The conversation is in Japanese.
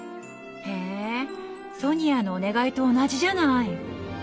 へえソニアのお願いと同じじゃない。